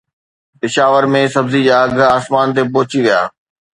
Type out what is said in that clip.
پشاور ۾ سبزي جا اگهه آسمان تي پهچي ويا